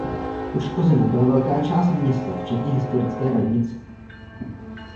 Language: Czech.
Poškozena byla velká část města včetně historické radnice.